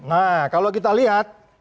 nah kalau kita lihat